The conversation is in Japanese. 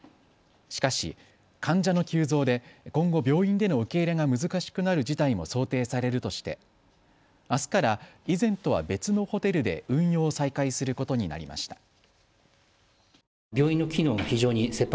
しかし、患者の急増で今後病院での受け入れが難しくなる事態も想定されるとしてあすから以前とは別のホテルで運用を再開することになりました。